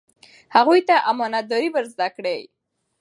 هغوی ته امانت داري ور زده کړئ.